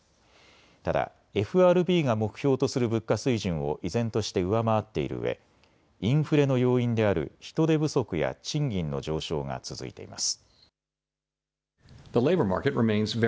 ただＦＲＢが目標とする物価水準を依然として上回っているうえインフレの要因である人手不足や賃金の上昇が続いています。